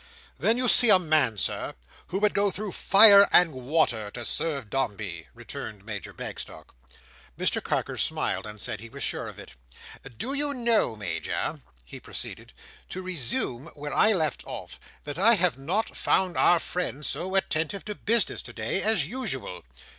"Then you see a man, Sir, who would go through fire and water to serve Dombey," returned Major Bagstock. Mr Carker smiled, and said he was sure of it. "Do you know, Major," he proceeded: "to resume where I left off: that I have not found our friend so attentive to business today, as usual?"